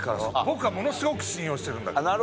僕はものすごく信用してるんだけど。